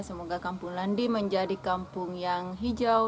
semoga kampung landi menjadi kampung yang hijau